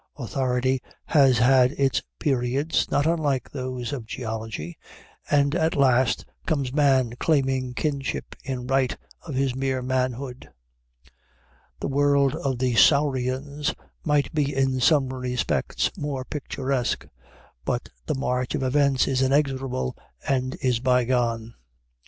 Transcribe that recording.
Authority has had its periods not unlike those of geology, and at last comes Man claiming kingship in right of his mere manhood. The world of the Saurians might be in some respects more picturesque, but the march of events is inexorable, and it is bygone.